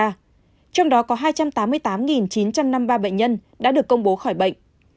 trong đó có hai trăm tám mươi tám chín trăm năm mươi ba bệnh nhân đã được công bố khỏi bệnh